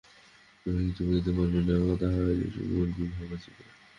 বিভাকে কিছু বলিতে পারেন না, তাহা হইলে সুকুমার বিভা বাঁচিবে না।